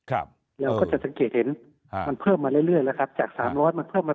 แล้วก็จะทางเห็นมันเพิ่มมาเรื่อยจาก๓๐๐มันเพิ่มมา๔๐๐